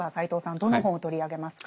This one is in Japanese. どの本を取り上げますか？